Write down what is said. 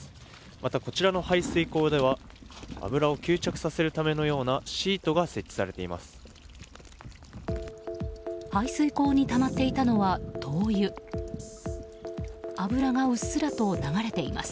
また、こちらの排水溝では油を吸着させるためのようなシートが設置されています。